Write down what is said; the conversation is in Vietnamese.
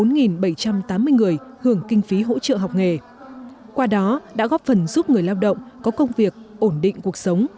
bốn bảy trăm tám mươi người hưởng kinh phí hỗ trợ học nghề qua đó đã góp phần giúp người lao động có công việc ổn định cuộc sống